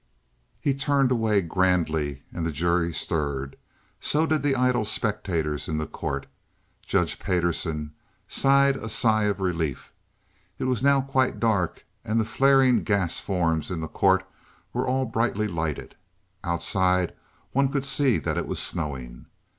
He turned away grandly, and the jury stirred—so did the idle spectators in the court. Judge Payderson sighed a sigh of relief. It was now quite dark, and the flaring gas forms in the court were all brightly lighted. Outside one could see that it was snowing.